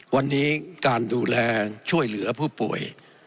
วันนี้การดูแลช่วยเหลือผู้ป่วย